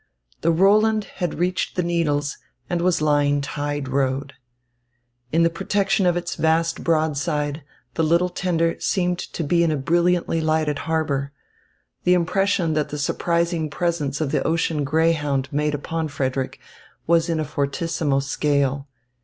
The Roland had reached the Needles and was lying tide rode. In the protection of its vast broadside the little tender seemed to be in a brilliantly lighted harbour. The impression that the surprising presence of the ocean greyhound made upon Frederick was in a fortissimo scale.